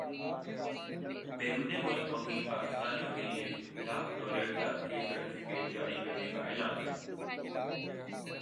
بیرون ملک مقیم پاکستانیوں کیلئے لاکھ ڈالر تک کے سرٹفکیٹ جاری کرنے کا اعلان